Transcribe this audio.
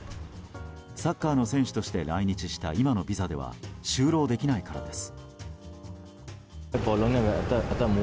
サッカーの選手として来日した今のビザでは就労できないからです。